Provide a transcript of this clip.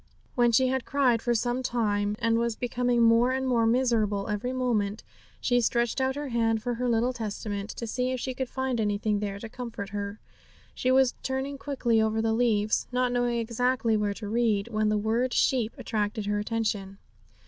When she had cried for some time, and was becoming more and more miserable every moment, she stretched out her hand for her little Testament, to see if she could find anything there to comfort her. She was turning quickly over the leaves, not knowing exactly where to read, when the word sheep attracted her attention.